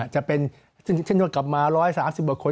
จะเป็นเช่นว่ากลับมา๑๓๐บาทคน